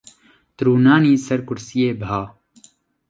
Tu rûnanî ser kursiyê biha.